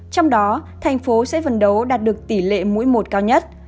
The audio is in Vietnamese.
trong đó thành phố sẽ vận đấu đạt được tỷ lệ mỗi một cao nhất